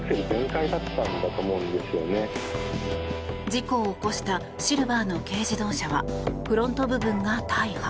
事故を起こしたシルバーの軽自動車はフロント部分が大破。